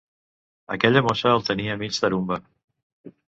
Aquella mossa el tenia mig tarumba.